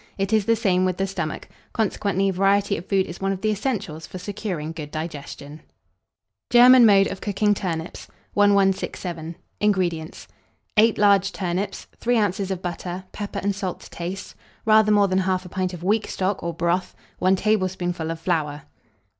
It is the same with the stomach: consequently, variety of food is one of the essentials for securing good digestion. GERMAN MODE OF COOKING TURNIPS. 1167. INGREDIENTS. 8 large turnips, 3 oz. of butter, pepper and salt to taste, rather more than 1/2 pint of weak stock or broth, 1 tablespoonful of flour.